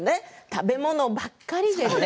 食べ物ばっかりじゃね。